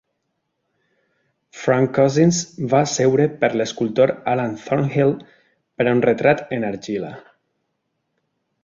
Frank Cousins va seure per l'escultor Alan Thornhill per a un retrat en argila.